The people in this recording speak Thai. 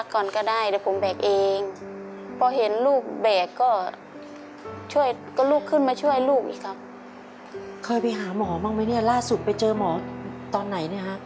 ครั้งหลักสุดไปเจอหมอค่ะ